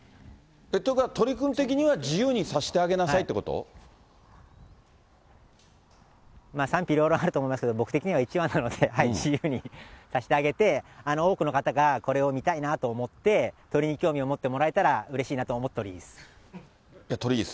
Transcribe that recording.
ということは鳥くん的には自由にさせてあげなさいということ賛否両論あると思いますけど、僕的には１羽なので、自由にさせてあげて、多くの方がこれを見たいなと思って、鳥に興味を持ってもらえたら、うれしいなと思っとりーす。